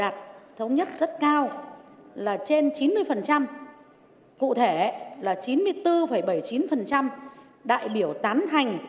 đạt thống nhất rất cao là trên chín mươi cụ thể là chín mươi bốn bảy mươi chín đại biểu tán thành